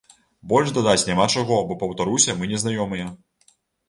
Больш дадаць няма чаго, бо, паўтаруся, мы не знаёмыя.